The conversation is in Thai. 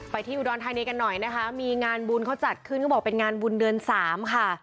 ที่อุดรธานีกันหน่อยนะคะมีงานบุญเขาจัดขึ้นเขาบอกเป็นงานบุญเดือนสามค่ะ